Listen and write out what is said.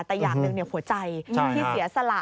แต่อย่างหนึ่งหัวใจที่เสียสละ